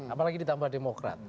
apalagi ditambah demokrat